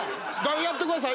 やってください